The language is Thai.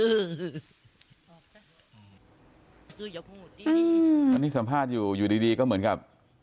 สุยกงูตีอืมตอนนี้สัมภาษณ์อยู่อยู่ดีก็เหมือนกับ